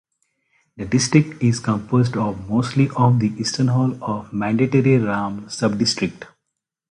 The district is composed of mostly of the Eastern half of Mandatory Ramle Subdistrict.